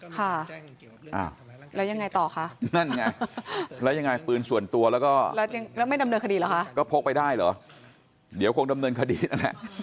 ค่ะแล้วยังไงต่อค่ะแล้วยังไงปืนส่วนตัวก็พกไปได้เหรอเดี๋ยวคงดำเนินคดีนั่นแหละ